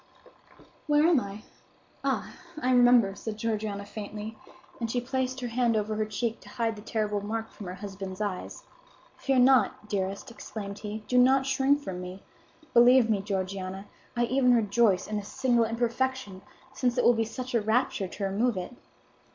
"Where am I? Ah, I remember," said Georgiana, faintly; and she placed her hand over her cheek to hide the terrible mark from her husband's eyes. "Fear not, dearest!" exclaimed he. "Do not shrink from me! Believe me, Georgiana, I even rejoice in this single imperfection, since it will be such a rapture to remove it."